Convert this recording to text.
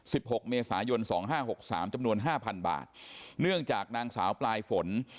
หกเมษายนสองห้าหกสามจำนวนห้าพันบาทเนื่องจากนางสาวปลายฝน